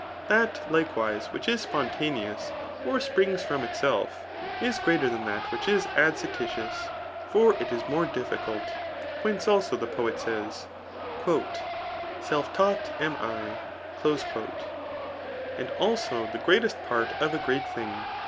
That, likewise, which is spontaneous, or springs frott itself, is greater than that whidi is adscititbus ; fin* it is more difficult : whence also the poet says, adf*caught ami.' And also the greatest part of a great thuag.